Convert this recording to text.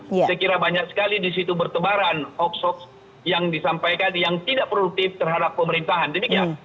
saya kira banyak sekali di situ bertebaran hoax hoax yang disampaikan yang tidak produktif terhadap pemerintahan demikian